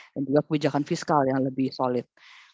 dan juga kebijakan fiskal yang lebih solid